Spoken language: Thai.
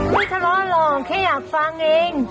ไม่ทะเลาะหรอกแค่อยากฟังเอง